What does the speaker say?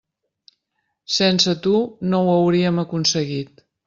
Sense tu no ho hauríem aconseguit.